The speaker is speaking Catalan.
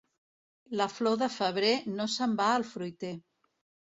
La flor de febrer no se'n va al fruiter.